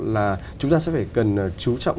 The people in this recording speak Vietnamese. là chúng ta sẽ phải cần chú trọng